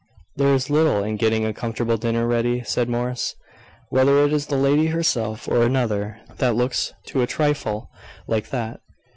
"There is little in getting a comfortable dinner ready," said Morris, "whether it is the lady herself, or another, that looks to a trifle like that.